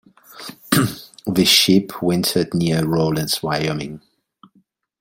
The sheep wintered near Rawlins, Wyoming.